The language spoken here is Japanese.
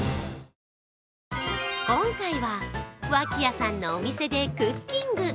今回は脇屋さんのお店でクッキング。